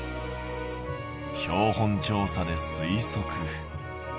標本調査で推測。